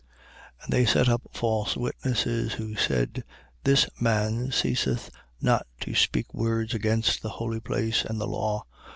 6:13. And they set up false witnesses, who said: This man ceaseth not to speak words against the holy place and the law.